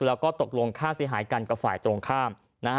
แล้วก็ตกลงค่าเสียหายกันกับฝ่ายตรงข้าม